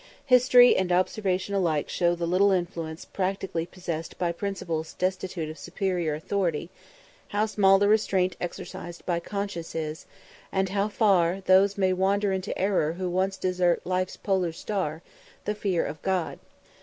History and observation alike show the little influence practically possessed by principles destitute of superior authority, how small the restraint exercised by conscience is, and how far those may wander into error who once desert "Life's polar star, the fear of God."